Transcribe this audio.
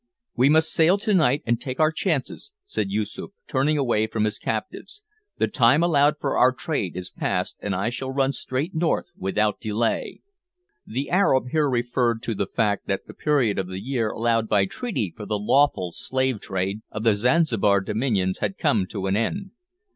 "We must sail to night and take our chance," said Yoosoof, turning away from his captives; "the time allowed for our trade is past and I shall run straight north without delay." The Arab here referred to the fact that the period of the year allowed by treaty for the "lawful slave trade" of the Zanzibar dominions had come to an end.